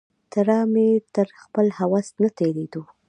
تره مې تر خپل هوس نه تېرېدو.